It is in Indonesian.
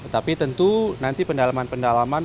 tapi tentu nanti pendalaman pendalaman